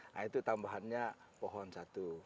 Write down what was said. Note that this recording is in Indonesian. nah itu tambahannya pohon satu